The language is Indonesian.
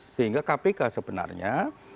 sehingga kpk sebenarnya